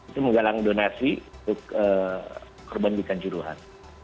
itu menggalang donasi untuk perbanding ikan juruhan